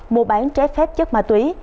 mua bán trái phép chất ma túy